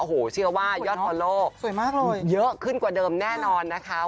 โอ้โหเชื่อว่ายอดฟอลโลสวยมากเลยเยอะขึ้นกว่าเดิมแน่นอนนะคะ